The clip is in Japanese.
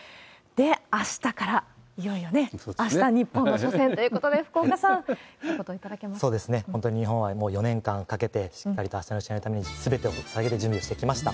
あしたからいよいよね、あした日本も初戦ということで、福岡さん、本当に日本はもう４年間かけて、しっかりとあしたの試合のためにすべてをささげる準備をしてきました。